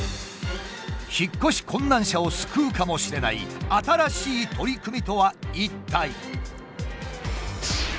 引っ越し困難者を救うかもしれない新しい取り組みとは一体。